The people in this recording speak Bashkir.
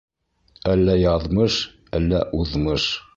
Әллә яҙмыш, әллә уҙмыш.